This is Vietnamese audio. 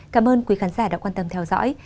cảm ơn quý khán giả đã quan tâm theo dõi